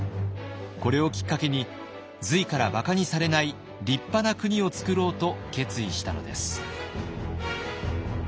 これをきっかけに隋からばかにされない立派な国をつくろうと決意したのです。